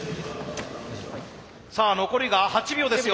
さあ残りが８秒ですよ。